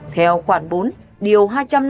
theo khoản bốn điều hai trăm năm mươi năm